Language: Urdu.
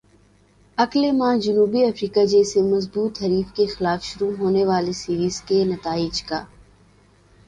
اگلے ماہ جنوبی افریقہ جیسے مضبوط حریف کے خلاف شروع ہونے والی سیریز کے نتیجے کا